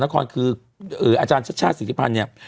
คืออาจารย์ชัชชาติศิริพันธ์เนี่ย